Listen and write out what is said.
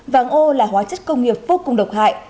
vàng ô là hóa chất công nghiệp vô cùng độc hại